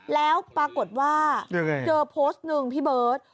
แล้วก็ปรากฎว่าเจอพากฎหนึ่งพี่เบิ้ด